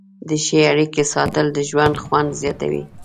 د ښې اړیکې ساتل د ژوند خوند زیاتوي.